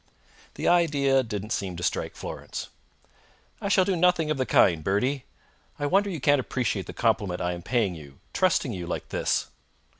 The idea didn't seem to strike Florence. "I shall do nothing of the kind, Bertie. I wonder you can't appreciate the compliment I am paying you trusting you like this."